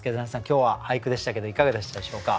今日は俳句でしたけどいかがでしたでしょうか？